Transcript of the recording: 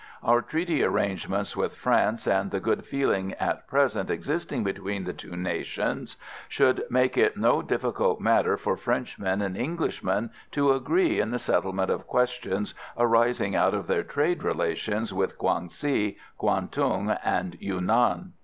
Our treaty arrangements with France and the good feeling at present existing between the two nations should make it no difficult matter for Frenchmen and Englishmen to agree in the settlement of questions arising out of their trade relations with Kwang si, Kwang tung and Yunan.